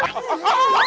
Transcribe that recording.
tahan tahan pak